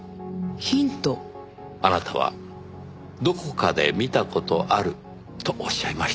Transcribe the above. あなたは「どこかで見た事ある」とおっしゃいました。